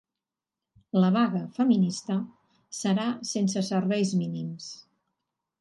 La vaga feminista serà sense serveis mínims